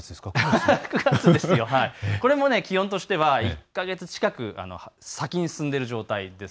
これも気温としては１か月近く先に進んでいる状態です。